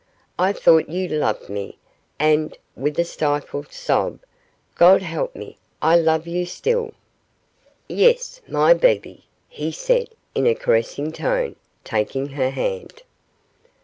I thought you loved me, and,' with a stifled sob, 'God help me, I love you still.' 'Yes, my Bebe,' he said, in a caressing tone, taking her hand.